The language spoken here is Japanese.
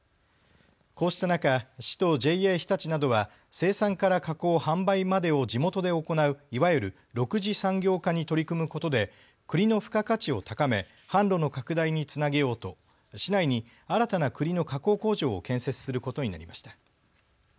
こうした中、市とＪＡ常陸などは生産から加工・販売までを地元で行ういわゆる６次産業化に取り組むことでくりの付加価値を高め販路の拡大につなげようと市内に新たなくりの加工工場を建設することになりました。